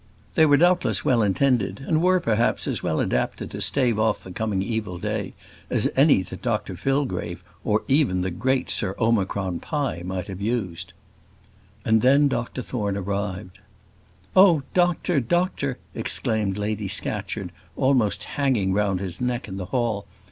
They were doubtless well intended, and were, perhaps, as well adapted to stave off the coming evil day as any that Dr Fillgrave, or even the great Sir Omicron Pie might have used. And then Dr Thorne arrived. "Oh, doctor! doctor!" exclaimed Lady Scatcherd, almost hanging round his neck in the hall.